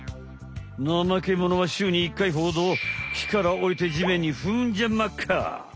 ナマケモノは週に１回ほど木からおりて地面にフンじゃまっか。